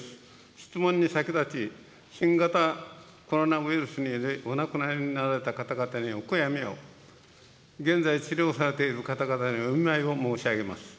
質問に先立ち、新型コロナウイルスでお亡くなりになられた方々にお悔やみを、現在治療されている方々にお見舞いを申し上げます。